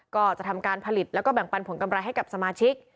ก็จะทำการผลิตแล้วก็แบ่งปันผลกำไรให้กับสมาชิก